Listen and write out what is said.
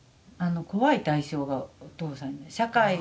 怖い対象がお父さんで社会。